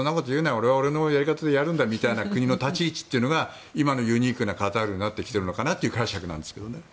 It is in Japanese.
俺は俺のやり方でやるんだっていう国の立ち位置というのが今のユニークなカタールになってきているのかなという解釈なんですけどね。